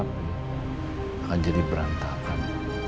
akan jadi berantakan